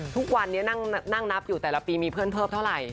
ทุกวันนี้นั่งนับอยู่แต่ละปีมีเพื่อนเพิ่มเท่าไหร่